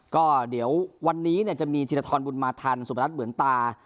ก็เดี๋ยววันนี้เนี่ยจะมีธีรธรณบุญมาธรรมสุประทัศน์เหมือนตา